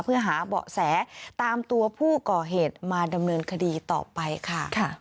เพื่อหาเบาะแสตามตัวผู้ก่อเหตุมาดำเนินคดีต่อไปค่ะ